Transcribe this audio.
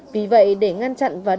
vì vậy để ngăn chặn và đánh giá